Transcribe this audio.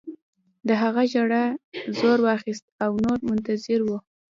د هغه ژړا زور واخیست او نور منتظر وو